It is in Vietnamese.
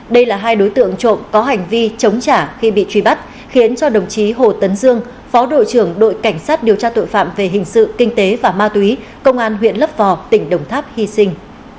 đây là hai đối tượng trộm có hành vi chống trả khi bị truy bắt khiến đồng chí hồ tấn dương phó đội trưởng đội cảnh sát điều tra tội phạm về hình sự kinh tế và ma túy công an huyện lấp vò tỉnh đồng tháp hy sinh